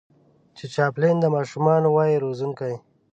چې چاپلين د ماشومانو وای روزونکی